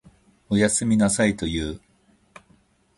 おやすみなさいと言う。